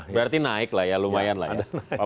berarti naik lah ya lumayan lah ya